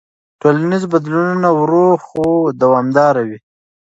ټولنیز بدلونونه ورو خو دوامداره وي.